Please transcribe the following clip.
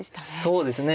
そうですね。